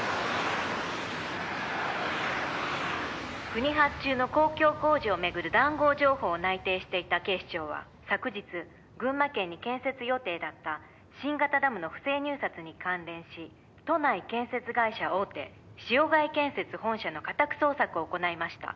「国発注の公共工事を巡る談合情報を内偵していた警視庁は昨日群馬県に建設予定だった新型ダムの不正入札に関連し都内建設会社大手塩貝建設本社の家宅捜索を行いました」